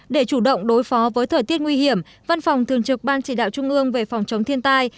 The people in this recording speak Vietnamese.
để chủ động đối phó với thời tiết nguy hiểm văn phòng thường trực ban chỉ đạo trung ương về phòng chống thiên tai